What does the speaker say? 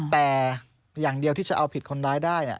แต่อย่างเดียวที่จะเอาผิดคนร้ายได้